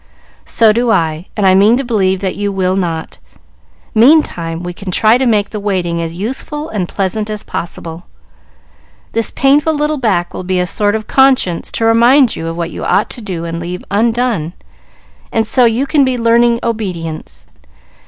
"So do I; and I mean to believe that you will not. Meantime, we can try to make the waiting as useful and pleasant as possible. This painful little back will be a sort of conscience to remind you of what you ought to do and leave undone, and so you can be learning obedience.